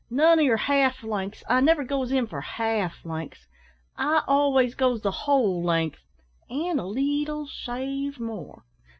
None o' yer half lengths. I never goes in for half lengths. I always goes the whole length, an' a leetle shave more.